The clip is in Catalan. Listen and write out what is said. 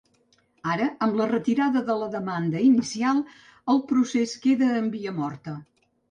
Ara, amb la retirada de la demanda inicial, el procés queda en via morta.